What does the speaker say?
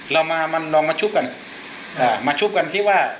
เรามาลองมาชุบกันมาชุบกันซิว่า